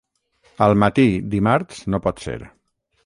Al matí dimarts no pot ser.